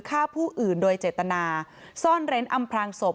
ฆ่าผู้อื่นโดยเจตนาซ่อนเร้นอำพลางศพ